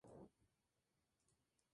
vamos, hijo. vamos.